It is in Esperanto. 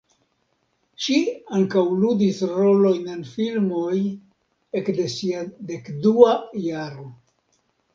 Ŝi ankaŭ ludis rolojn en filmoj ekde sia dekdua jaro.